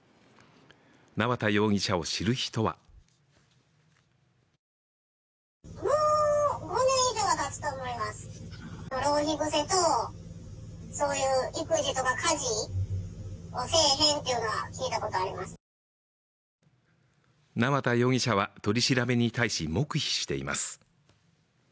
縄田容疑者を知る人は縄田容疑者は取り調べに対し黙秘しています。